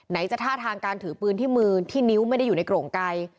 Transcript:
จะท่าทางการถือปืนที่มือที่นิ้วไม่ได้อยู่ในโกร่งไกล